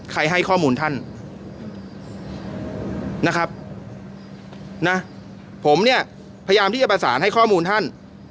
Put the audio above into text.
ให้ข้อมูลท่านนะครับนะผมเนี่ยพยายามที่จะประสานให้ข้อมูลท่าน